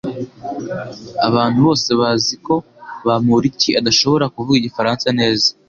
Abantu bose bazi ko Bamoriki adashobora kuvuga igifaransa neza